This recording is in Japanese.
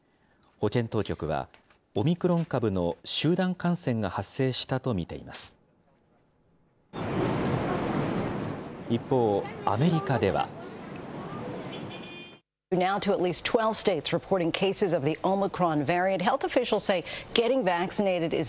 保健当局は、オミクロン株の集団感染が発生したと見ています。